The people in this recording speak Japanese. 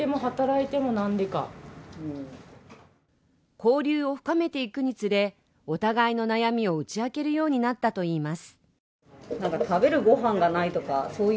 交流を深めていくにつれ、お互いの悩みを打ち明けるようになったといいます。